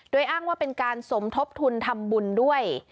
โดยอ้างว่าเป็นการสมทบทุนทำบุญด้วย